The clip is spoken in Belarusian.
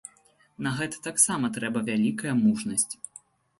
На гэта таксама трэба вялікая мужнасць.